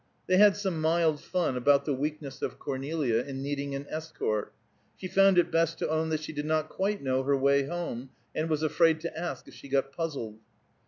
They had some mild fun about the weakness of Cornelia in needing an escort. She found it best to own that she did not quite know her way home, and was afraid to ask if she got puzzled.